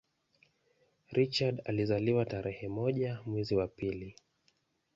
Richard alizaliwa tarehe moja mwezi wa pili